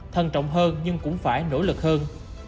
thân trọng hơn nhưng cũng phải nỗ lực hơn